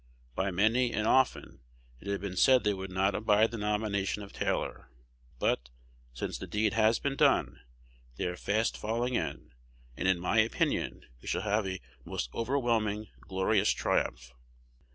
By many, and often, it had been said they would not abide the nomination of Taylor; but, since the deed has been done, they are fast falling in, and in my opinion we shall have a most overwhelming, glorious triumph.